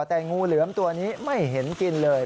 แต่งูเหลือมตัวนี้ไม่เห็นกินเลย